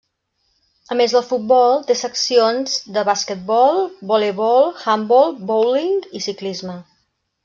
A més del futbol té seccions de basquetbol, voleibol, handbol, bowling i ciclisme.